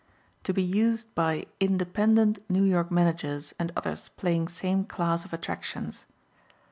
_To be used by "Independent" New York Managers and others playing same class of attractions.